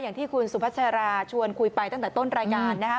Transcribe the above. อย่างที่คุณสุพัชราชวนคุยไปตั้งแต่ต้นรายการนะครับ